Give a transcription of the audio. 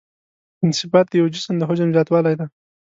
انبساط د یو جسم د حجم زیاتوالی دی.